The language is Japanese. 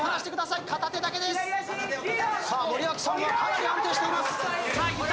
さあ森脇さんはかなり安定しています。